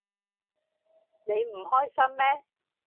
你唔開心咩？